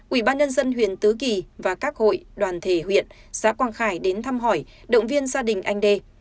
ủy ban nhân dân huyện tứ kỳ và các hội đoàn thể huyện xã quang khải đến thăm hỏi động viên gia đình anh đê